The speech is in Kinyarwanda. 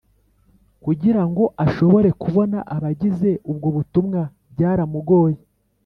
Kugirango ashobore kubona abagize ubwo butumwa byaramugoye